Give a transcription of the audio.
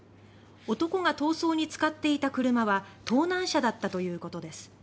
男が逃走に使っていた車は盗難車だったということです。